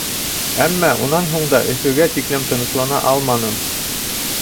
Әммә унан һуң да Өфөгә тиклем тыныслана алманым.